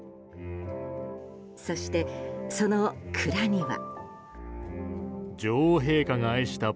そして、その鞍には。